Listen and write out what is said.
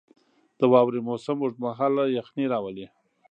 • د واورې موسم اوږد مهاله یخني راولي.